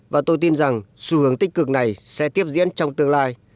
và tôi tin rằng xu hướng tích cực này sẽ tiếp diễn trong tương lai